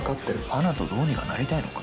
花とどうにかなりたいのか？